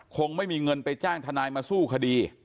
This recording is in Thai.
คงไม่มีเงินไปจ้างทนายมาสู้คดี